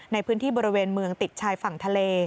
ในพื้นที่บริเวณเมืองติดชายฝั่งทะเล